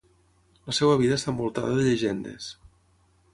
La seva vida està envoltada de llegendes.